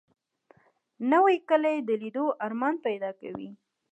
نوې کلی د لیدو ارمان پیدا کوي